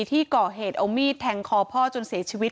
ที่ก่อเหตุเอามีดแทงคอพ่อจนเสียชีวิต